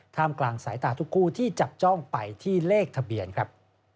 กลางสายตาทุกคู่ที่จับจ้องไปที่เลขทะเบียนครับ